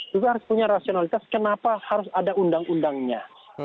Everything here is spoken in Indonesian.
juga harus punya rasionalitas kenapa harus ada undang undangnya